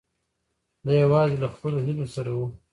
دی یوازې له خپلو هیلو سره و.